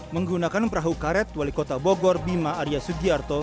menggunakan perahu karet wali kota bogor bima arya sugiarto